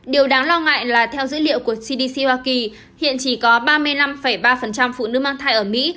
điều đáng lo ngại là theo dữ liệu của cdc hoa kỳ hiện chỉ có ba mươi năm ba phụ nữ mang thai ở mỹ